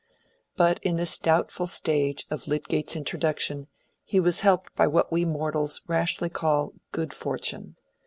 But in this doubtful stage of Lydgate's introduction he was helped by what we mortals rashly call good fortune.